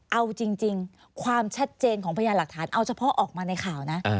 เอาจริงความชัดเจนของพยานหลักฐานเอาเฉพาะออกมาในข่าวนะ